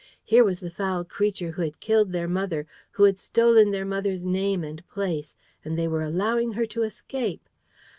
Here was the foul creature who had killed their mother, who had stolen their mother's name and place; and they were allowing her to escape.